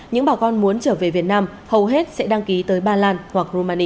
những bà con muốn trở về việt nam hầu hết sẽ đăng ký tới ba lan hoặc rumania